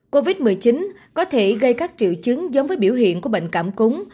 covid một mươi chín có thể gây các triệu chứng giống với biểu hiện của bệnh cảm cúm